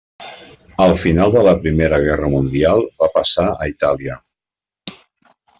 Al final de la Primera Guerra Mundial va passar a Itàlia.